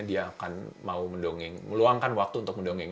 dia akan mau mendongeng meluangkan waktu untuk mendongeng